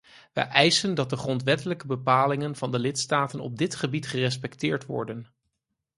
Wij eisen dat de grondwettelijke bepalingen van de lidstaten op dit gebied gerespecteerd worden.